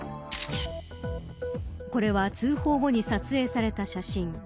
これは通報後に撮影された写真。